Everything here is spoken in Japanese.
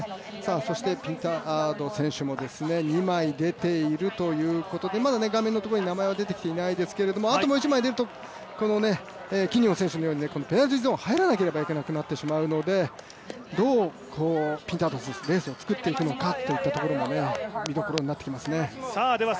そしてピンタード選手も２枚出ているということでまだ画面のところに名前は出てきていないんですけどあともう１枚出ると、キニオン選手のようにペナルティーゾーンに入らなければいけなくなるのでどうピンタード選手、レースを作っていくのかというところも見どころになってきますね。